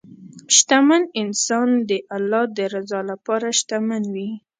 شتمن انسان د الله د رضا لپاره شتمن وي.